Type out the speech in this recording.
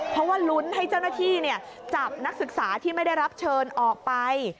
เพราะว่าลุ้นให้เจ้าหน้าที่จับนักศึกษาที่ไม่ได้รับเชิญออกไป